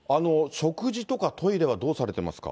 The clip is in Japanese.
食事とかトイレはどうされてますか？